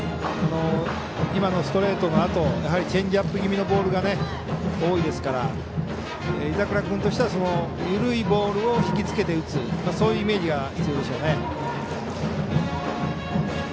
今のストレートのあとチェンジアップ気味のボールが多いですから井櫻君としては緩いボールを引きつけて打つ、そういうイメージが必要でしょうね。